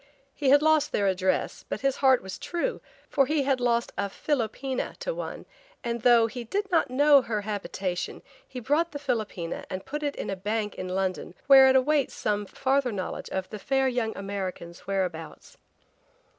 He had lost their address but his heart was true, for he had lost a philopoena to one and though he did not know her habitation he bought the philopoena and put it in a bank in London where it awaits some farther knowledge of the fair young American's whereabouts.